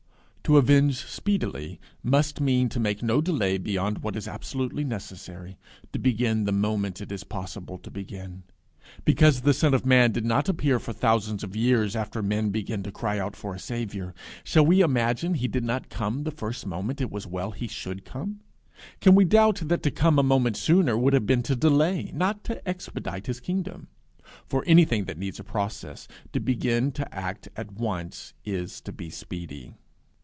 To avenge speedily must mean to make no delay beyond what is absolutely necessary, to begin the moment it is possible to begin. Because the Son of Man did not appear for thousands of years after men began to cry out for a Saviour, shall we imagine he did not come the first moment it was well he should come? Can we doubt that to come a moment sooner would have been to delay, not to expedite, his kingdom? For anything that needs a process, to begin to act at once is to be speedy.